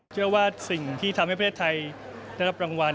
เชื่อว่าสิ่งที่ทำให้ประเทศไทยได้รับรางวัล